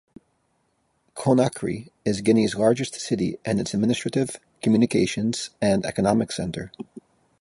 Conakry is Guinea's largest city and its administrative, communications, and economic centre.